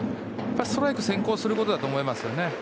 ストライク先行することだと思いますね。